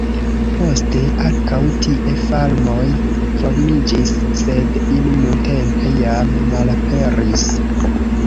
Poste ankaŭ tie farmoj formiĝis, sed ili nuntempe jam malaperis.